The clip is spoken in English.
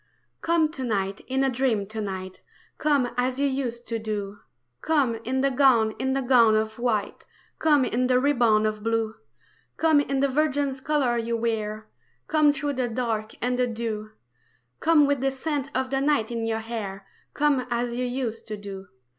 COME to night in a dream to night, Come as you used to do, Come in the gown, in the gown of white, Come in the ribbon of blue; Come in the virgin's colours you wear, Come through the dark and the dew, Come with the scent of the night in your hair, Come as you used to do.